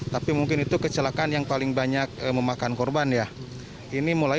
tapi mungkin itu kecelakaan yang paling banyak memakan korban ya